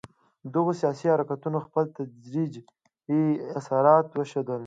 دغو سیاسي حرکتونو خپل تدریجي اثرات وښندل.